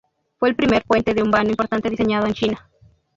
Fue el primer puente de un vano importante diseñado en China.